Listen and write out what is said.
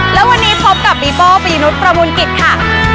และวันนี้พบกับปีโป้ปีนุษย์ประมูลกิจค่ะ